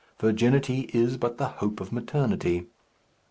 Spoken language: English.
Virginity is but the hope of maternity.